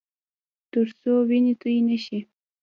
ترڅو وینې تویې نه شي